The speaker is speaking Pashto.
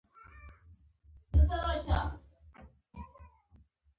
د خولې د بد بوی لپاره باید څه شی وخورم؟